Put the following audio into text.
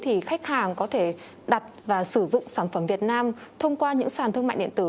thì khách hàng có thể đặt và sử dụng sản phẩm việt nam thông qua những sàn thương mại điện tử